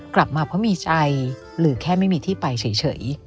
กลับมาเพราะมีใจหรือแค่ไม่มีที่ไปเฉย